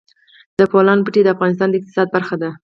د بولان پټي د افغانستان د اقتصاد برخه ده.